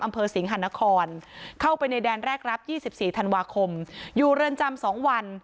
อำเภอสิงหานครเข้าไปในแดนแรกรับยี่สิบสี่ธันวาคมอยู่เรือนจำสองวัน